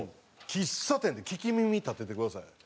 喫茶店で聞き耳立ててください